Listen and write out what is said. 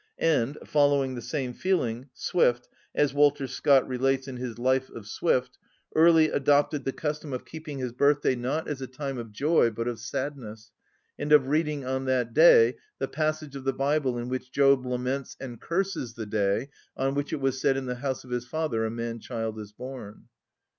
And, following the same feeling, Swift (as Walter Scott relates in his Life of Swift) early adopted the custom of keeping his birthday not as a time of joy but of sadness, and of reading on that day the passage of the Bible in which Job laments and curses the day on which it was said in the house of his father a man‐child is born.